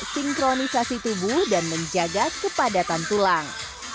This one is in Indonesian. sinkronisasi tubuh dan menjaga kepadatan tulang